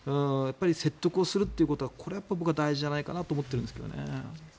説得をするということはこれは僕は大事じゃないかなと思ってるんですけどね。